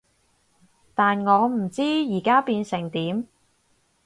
但我唔知而家變成點